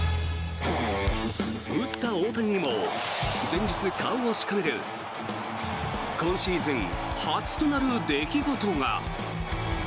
打った大谷にも前日、顔をしかめる今シーズン初となる出来事が。